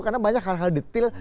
karena banyak hal hal detil